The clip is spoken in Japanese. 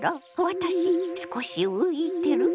私少し浮いてる？